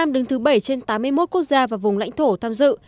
đứng thứ bảy trên tám mươi một quốc gia và vùng lãnh thổ tham dự